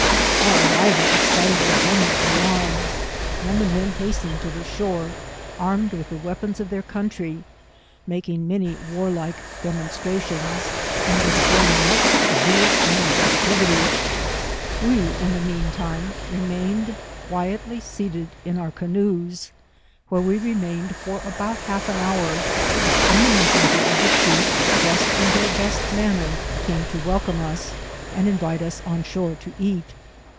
Our arrival excited a general alarm, and the men hastened to the shore, armed with the weapons of their country, making many warlike de monstrations, and displaying much Zealand activi ty. We in the m£an time remained quietly seated in ourcaooes, where we remained for about half an hour, when the messenger of the chief, dressed in their best manner, came to welcome us, and invite us on shore to eat.